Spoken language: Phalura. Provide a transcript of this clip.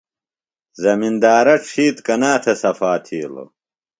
زمندارہ ڇھیتر کنا تھےۡ صفا تِھیلوۡ؟